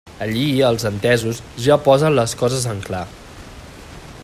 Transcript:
Allí els entesos ja posen les coses en clar.